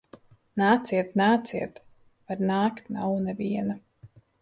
Nāciet, nāciet! Var nākt. Nav neviena.